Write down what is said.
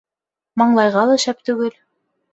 Маңлайға ла шәп түгел.